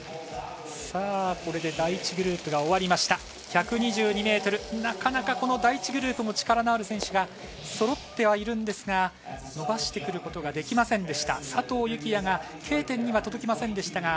これで第１グループが終わりました１２２ｍ、なかなか第１グループも力のある選手がそろってはいるんですが伸ばしてくることができませんでした。